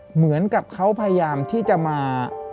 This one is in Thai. เหมือนกับเขาพยายามที่จะมา